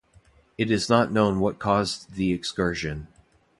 It is not known what caused the excursion.